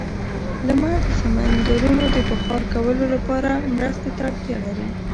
لمر د سمندرونو د بخار کولو لپاره مرستې ته اړتیا لري.